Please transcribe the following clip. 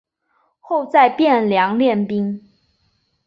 后在汴梁练兵。